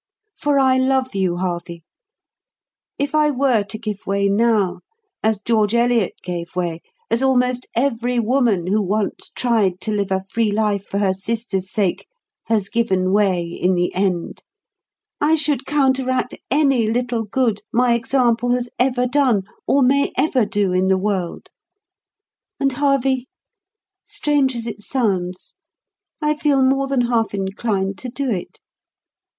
For I love you, Harvey. If I were to give way now, as George Eliot gave way, as almost every woman who once tried to live a free life for her sisters' sake, has given way in the end, I should counteract any little good my example has ever done or may ever do in the world; and Harvey, strange as it sounds, I feel more than half inclined to do it.